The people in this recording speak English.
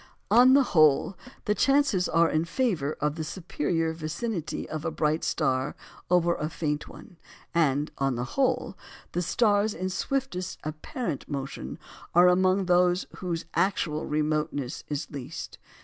On the whole, the chances are in favour of the superior vicinity of a bright star over a faint one; and, on the whole, the stars in swiftest apparent motion are amongst those whose actual remoteness is least.